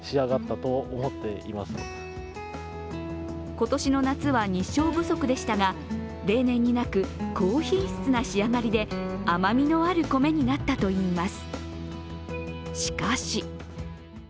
今年の夏は日照不足でしたが、例年になく高品質な仕上がりで甘みのある米になったといいます。